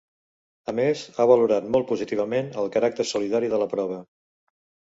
A més ha valorat molt positivament el caràcter solidari de la prova.